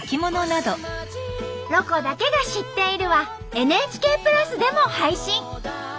「ロコだけが知っている」はＮＨＫプラスでも配信。